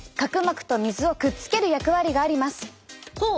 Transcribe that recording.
ほう。